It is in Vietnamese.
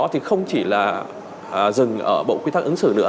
thì không chỉ là dừng ở bộ quy tắc ứng xử nữa